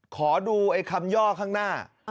ขอดูไอ้คำย่อข้างหน้า